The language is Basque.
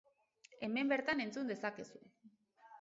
Hemen bertan entzun dezakezu!